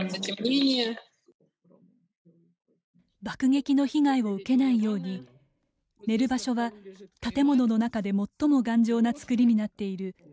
爆撃の被害を受けないように寝る場所は建物の中で最も頑丈なつくりになっている